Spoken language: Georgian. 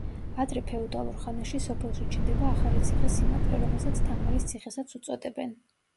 ადრე ფეოდალურ ხანაში სოფელში ჩნდება ახალი ციხე-სიმაგრე, რომელსაც თამარის ციხესაც უწოდებენ.